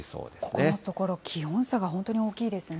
ここのところ、気温差が本当に大きいですね。